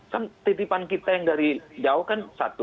kan titipan kita yang dari jauh kan satu